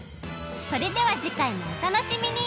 それでは次回もお楽しみに！